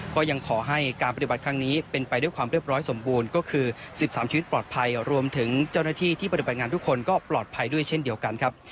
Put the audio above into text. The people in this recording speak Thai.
ก็ยังขอให้การปฏิบัติครั้งนี้เป็นไปด้วยความเรียบร้อยสมบูรณ์ก็คือ๑๓ชีวิตปลอดภัยรวมถึงเจ้าหน้าที่ที่ปฏิบัติงานทุกคนก็ปลอดภัยด้วยเช่นเดียวกันครับ